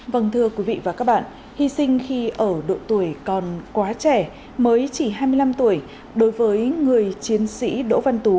vâng thưa quý vị và các bạn hy sinh khi ở độ tuổi còn quá trẻ mới chỉ hai mươi năm tuổi đối với người chiến sĩ đỗ văn tú